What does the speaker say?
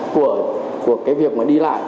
của cái việc mà đi lại